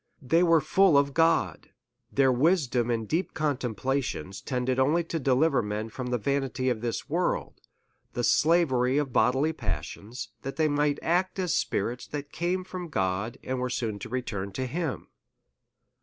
They were full of God ; their wisdom and deep contemplations tended only to deliver men from the vanity of the world, the slavery of bodily passions, that they might act as spi rits that came from God, and were soon to return to him.